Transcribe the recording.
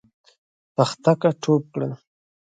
پختکه ټوپ کړل.